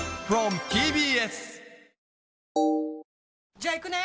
じゃあ行くね！